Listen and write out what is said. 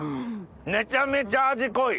めちゃめちゃ味濃い！